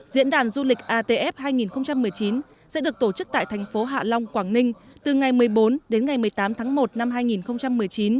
diễn đàn du lịch atf hai nghìn một mươi chín sẽ được tổ chức tại thành phố hạ long quảng ninh từ ngày một mươi bốn đến ngày một mươi tám tháng một năm hai nghìn một mươi chín